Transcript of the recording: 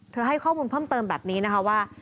ให้ข้อมูลเพิ่มเติมแบบนี้นะคะว่า